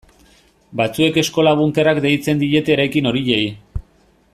Batzuek eskola-bunkerrak deitzen diete eraikin horiei.